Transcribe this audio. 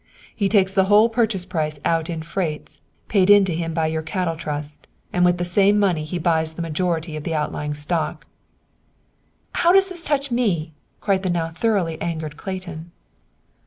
"He takes the whole purchase price out in freights, paid in to him by your cattle trust, and with this same money he buys the majority of the outlying stock." "How does this touch me?" cried the now thoroughly angered Clayton.